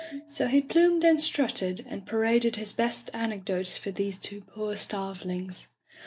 So he plumed and strutted, and paraded his best anecdotes for these two poor starve lings.